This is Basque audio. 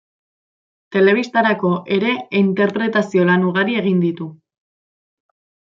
Telebistarako ere interpretazio-lan ugari egin ditu.